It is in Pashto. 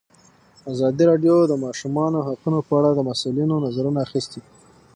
ازادي راډیو د د ماشومانو حقونه په اړه د مسؤلینو نظرونه اخیستي.